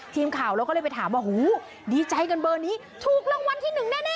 ทีมข่าวเราก็เลยไปถามว่าหูดีใจกันเบอร์นี้ถูกรางวัลที่หนึ่งแน่